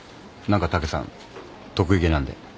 何か武さん得意げなんで。